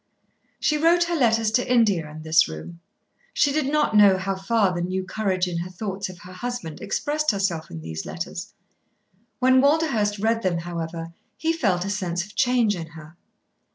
She wrote her letters to India in this room. She did not know how far the new courage in her thoughts of her husband expressed itself in these letters. When Walderhurst read them, however, he felt a sense of change in her.